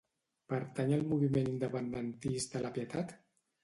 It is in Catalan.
Pertany al moviment independentista la Pietat?